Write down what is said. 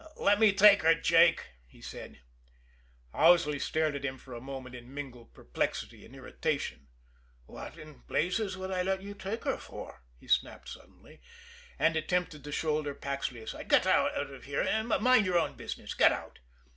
"Let me take her, Jake," he said. Owsley stared at him for a moment in mingled perplexity and irritation. "What in blazes would I let you take her for?" he snapped suddenly, and attempted to shoulder Paxley aside. "Get out of here, and mind your own business! Get out!"